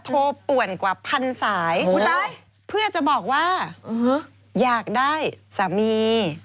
ป่วนกว่าพันสายเพื่อจะบอกว่าอยากได้สามี